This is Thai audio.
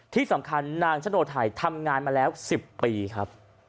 ที่สำคัญนางชะโนไทยทำงานมาแล้ว๑๐ปีครับ